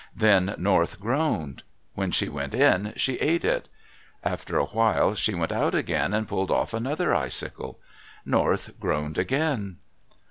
Then North groaned. When she went in, she ate it. After a while she went out again, and pulled off another icicle. North groaned again.